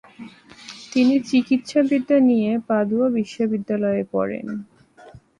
তিনি চিকিৎসাবিদ্যা নিয়ে পাদুয়া বিশ্ববিদ্যালয়ে পরেন।